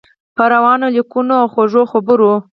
په روانو لیکنو او خوږو خبرو.